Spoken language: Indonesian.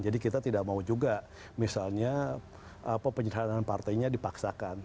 jadi kita tidak mau juga misalnya penyerahan partainya dipaksakan